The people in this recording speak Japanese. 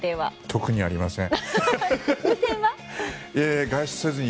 特にありません。